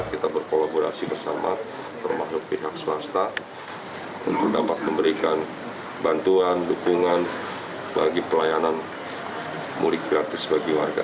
kita berkolaborasi bersama termasuk pihak swasta untuk dapat memberikan bantuan dukungan bagi pelayanan mudik gratis bagi warga